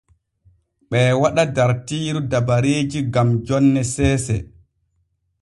Ɓee waɗa dartiiru dabareeji gam jonne seese.